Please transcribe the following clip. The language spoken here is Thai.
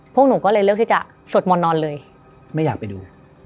พวกหนูก็เลยเลือกที่จะสวดมนต์นอนเลยไม่อยากไปดู